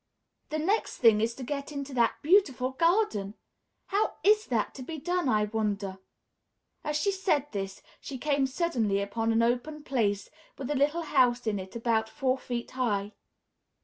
"The next thing is to get into that beautiful garden how is that to be done, I wonder?" As she said this, she came suddenly upon an open place, with a little house in it about four feet high.